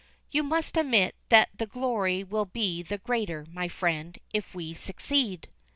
"You must admit that the glory will be the greater, my friend, if we succeed."